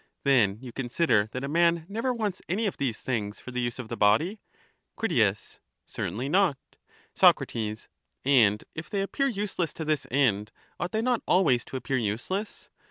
Then you consider that a man never wants any of beafone*!^ these things for the use of the body useless, at Cnt. Certainly not. „,... Sac. And if they appear useless to this end. ought they not same actions. always to appear useless